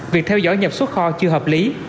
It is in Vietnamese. việc theo dõi nhập xuất kho chưa hợp lý